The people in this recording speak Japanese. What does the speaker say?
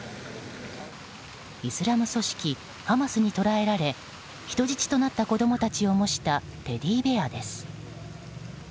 イスラム組織ハマスに捕らえられ人質となった子供たちを模したテディベアです。